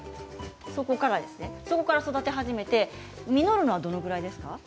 そこから育て始めて実るのは、どのぐらいですか？